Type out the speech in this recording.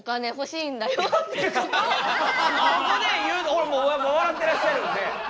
ほらもう笑ってらっしゃるんで。